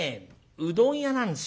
うどん屋なんですよ。